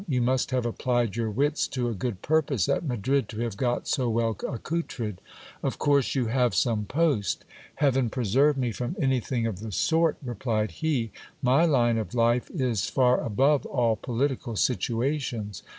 You must have applied your wits to 1 good purpose at Madrid, to have got so well accoutred. Of course you have iome post. Heaven preserve me from anything of the sort ! replied he. My ine of life is far above all political situations.